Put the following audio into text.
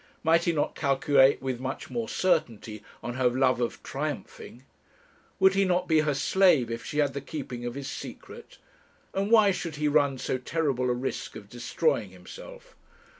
Might he not calculate with much more certainty on her love of triumphing? Would he not be her slave if she had the keeping of his secret? And why should he run so terrible a risk of destroying himself?